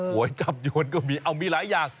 วยจับยวนก็มีเอามีหลายอย่าง